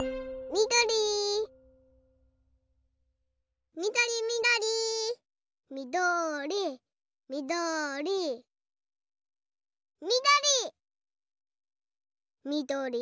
みどりみどりみどりみどり。